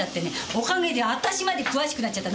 おかげで私まで詳しくなっちゃった。